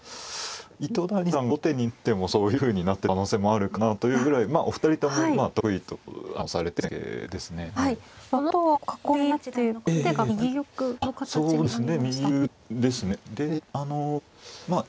糸谷さんが後手になってもそういうふうになってた可能性もあるかなというぐらいお二人とも得意とされてる戦型ですね。